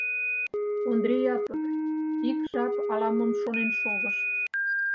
Ондри Япык ик жап ала-мом шонен шогыш.